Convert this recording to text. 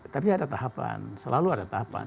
tapi ada tahapan selalu ada tahapan